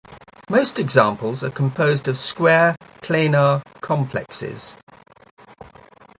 Most examples are composed of square planar complexes.